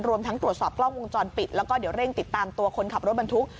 รวมทั้งตรวจสอบกล้องวงจรปิดแล้วก็เดี๋ยวเร่งติดตามตัวคนขับรถบรรทุก